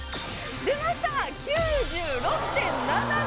出ました！９６．７５４点！